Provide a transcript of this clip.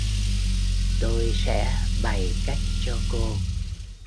Tôi sẽ bày cách cho cô